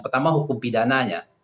pertama hukum pidananya